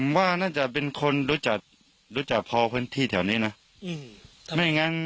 ผมว่าน่าจะเป็นคนรู้จักพอพื้นที่แถวนี้นะ